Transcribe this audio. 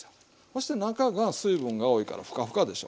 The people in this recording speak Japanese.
そして中が水分が多いからフカフカでしょ。